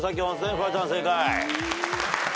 フワちゃん正解。